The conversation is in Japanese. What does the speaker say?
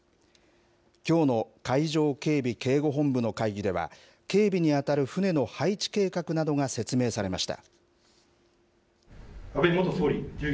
きょうの海上警備・警護本部の会議では、警備に当たる船の配置計画などが説明されました。